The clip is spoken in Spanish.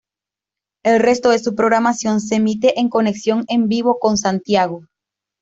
El resto de su programación se emite en conexión en vivo con Santiago.